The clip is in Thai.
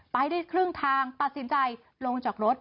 ไปได้ครึ่งทางตัดสินใจลงจากรถ